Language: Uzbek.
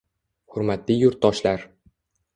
Hurmatli yurtdoshlar